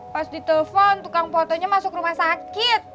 pas di telpon tukang fotonya masuk rumah sakit